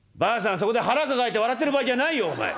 そこで腹抱えて笑ってる場合じゃないよお前！